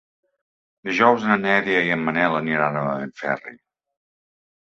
Dijous na Neida i en Manel aniran a Benferri.